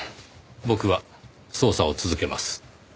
僕は捜査を続けます。